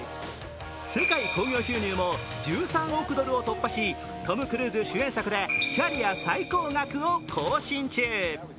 世界興行収入も１３億ドルを突破しトム・クルーズ主演作でキャリア最高額を更新中。